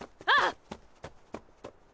ああ！